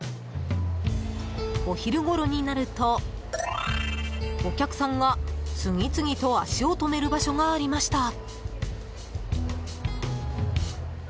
お昼ごろになるとお客さんが次々と足を止める場所がありました。